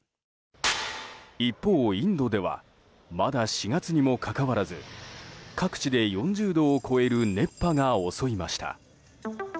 一方、インドではまだ４月にもかかわらず各地で４０度を超える熱波が襲いました。